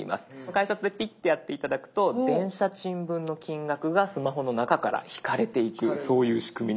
改札でピッてやって頂くと電車賃分の金額がスマホの中から引かれていくそういう仕組みになっています。